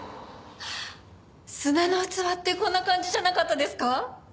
『砂の器』ってこんな感じじゃなかったですか？